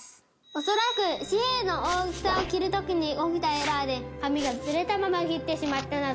恐らく紙幣の大きさを切る時に起きたエラーで紙がずれたまま切ってしまったなど